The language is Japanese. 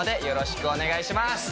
よろしくお願いします。